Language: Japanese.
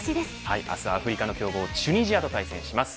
明日はアフリカの強豪チュニジアと対戦します。